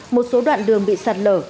một số đoạn đường bị sạt lở